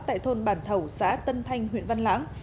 tại thôn bản thầu xã tân thanh huyện văn lãng